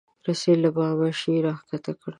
رسۍ له بامه شی راکښته کوي.